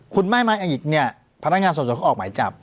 คุณไม่มาอีกเนี่ยพนักงานสอบสวนเขาออกหมายจับ